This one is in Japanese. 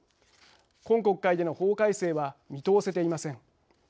今国会での法改正は見通せていません。